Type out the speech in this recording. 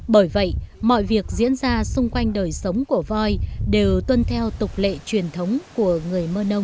bởi vậy mọi việc diễn ra xung quanh đời sống của voi đều tuân theo tục lệ truyền thống của người mơ nông